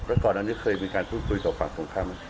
อันนี้เคยมีการพูดคุยกับฝากของค่ะมั้ย